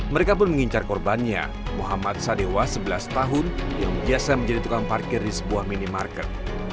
mereka pun mengincar korbannya muhammad sadewa sebelas tahun yang biasa menjadi tukang parkir di sebuah minimarket